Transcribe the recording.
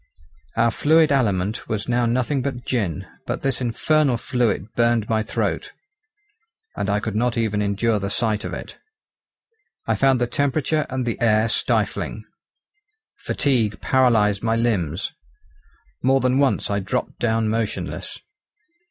Our fluid aliment was now nothing but gin; but this infernal fluid burned my throat, and I could not even endure the sight of it. I found the temperature and the air stifling. Fatigue paralysed my limbs. More than once I dropped down motionless.